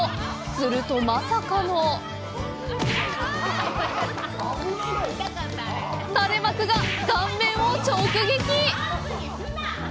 すると、まさかの垂れ幕が顔面を直撃！